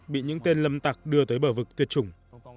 bị những tên lâm tặc đưa tới bờ vực tuyệt chủng